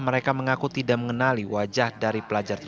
mereka mengaku tidak mengenali wajah dari pelajar